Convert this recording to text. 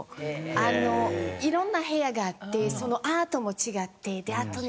あの色んな部屋があってそのアートも違ってあとね